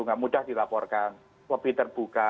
nggak mudah dilaporkan lebih terbuka